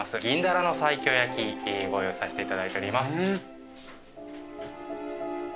銀ダラの西京焼きご用意させていただいております。